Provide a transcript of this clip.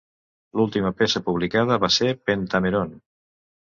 L'última peça publicada va ser "Pentameron".